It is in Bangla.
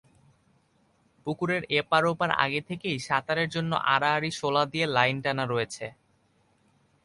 পুকুরের এপার-ওপার আগে থেকেই সাঁতারের জন্য আড়াআড়ি শোলা দিয়ে লাইন টানা রয়েছে।